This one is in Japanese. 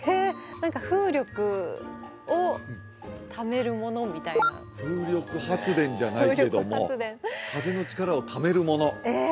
何か風力をためるものみたいな風力発電じゃないけども風の力をためるものええ？